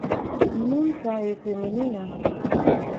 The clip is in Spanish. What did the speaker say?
Nunca es femenina.